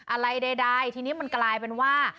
อะไรใดทีนี้มันกลายเป็นว่า